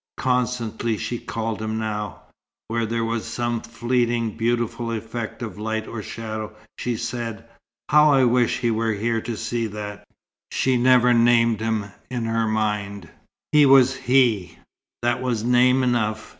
Constantly she called him now. When there was some fleeting, beautiful effect of light or shadow, she said, "How I wish he were here to see that!" She never named him in her mind. He was "he": that was name enough.